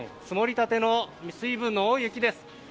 積もりたての水分の多い雪です。